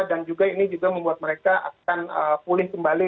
dan juga ini juga membuat mereka akan pulih kembali